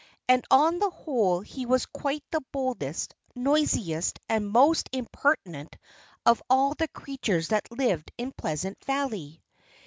And on the whole he was quite the boldest, noisiest, and most impertinent of all the creatures that lived in Pleasant Valley.